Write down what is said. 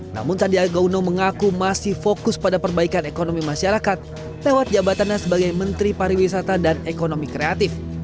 namun sandiaga uno mengaku masih fokus pada perbaikan ekonomi masyarakat lewat jabatannya sebagai menteri pariwisata dan ekonomi kreatif